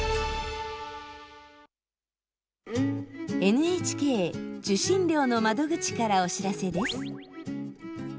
ＮＨＫ受信料の窓口からお知らせです。